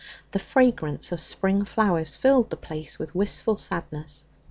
The fragrance of spring flowers filled the place with wistful sadness.